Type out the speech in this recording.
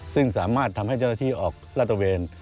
ซึ่งสามารถทำให้เจ้าหน้าที่ออกลาดตระเวน